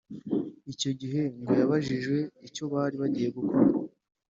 Icyo gihe ngo yabajijwe icyo bari bagiye gukora